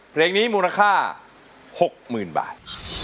เพลงนี้มูลค่า๖หมื่นบาท